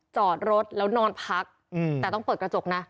จอดรถแล้วนอนพักแต่ต้องเปิดกระจกนะ